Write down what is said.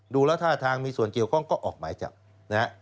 ดูแล้วท่าทางมีส่วนเกี่ยวข้องก็ออกหมายจับนะฮะ